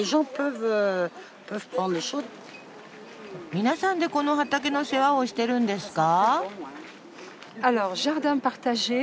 皆さんでこの畑の世話をしてるんですか？